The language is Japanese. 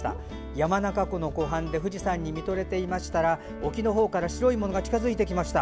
山中湖の湖畔で富士山に見とれていましたら沖の方から白いものが近づいてきました。